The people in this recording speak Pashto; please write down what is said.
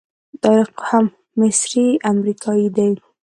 طارق هم مصری امریکایي دی.